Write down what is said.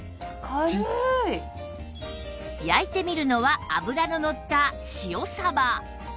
焼いてみるのは脂ののった塩サバ